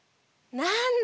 なんだ。